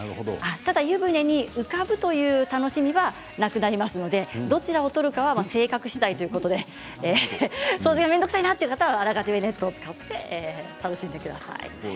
ただ湯船に浮かぶという楽しみはなくなりますのでどちらを取るかは性格次第ということで掃除が面倒くさいという方はあらかじめネットを使って楽しんでください。